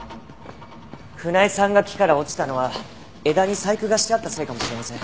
船井さんが木から落ちたのは枝に細工がしてあったせいかもしれません。